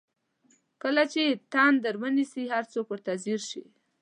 کله چې یې تندر ونیسي هر څوک ورته ځیر شي.